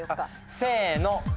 せの。